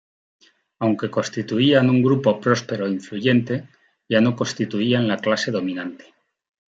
Aunque constituían un grupo próspero e influyente, ya no constituían la clase dominante.